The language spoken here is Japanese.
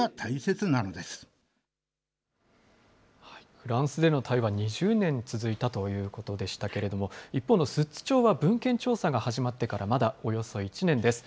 フランスでの対話、２０年続いたということでしたけれども、一方の寿都町は文献調査が始まってからまだおよそ１年です。